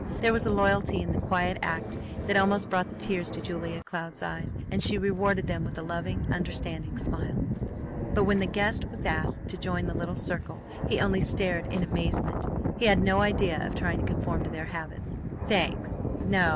There was a loyalty in the quiet act that almost brought the tears to Julia Cloud's eyes, and she rewarded them with a loving, understanding smile. But when the guest was asked to join the little circle he only stared in amazement. He had no idea of trying to conform to their habits. "Thanks! No!